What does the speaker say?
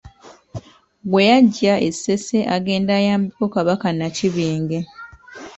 Gwe yaggya e Ssese agende ayambeko Kabaka Nakibinge.